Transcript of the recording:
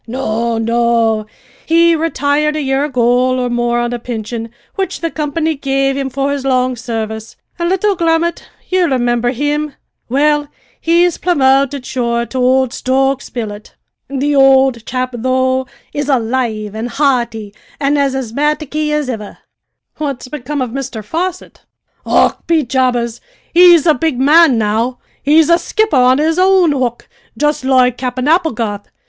"No, no; he retired a year ago or more on a pinsion which the company gave him for his long service; an' little Grummet ye rimimber him? well, he's promoted, sure, to ould Stokes' billet. The ould chap, though, is alive an' hearty, an' as asthamataky as ivver!" "What's become of Mr Fosset?" "Och, be jabbers! he's a big man now. He's a skipper on his own hook, jist loike Cap'en Applegarth.